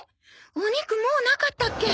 お肉もうなかったっけ？